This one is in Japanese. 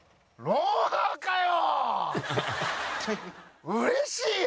『ロンハー』かよ！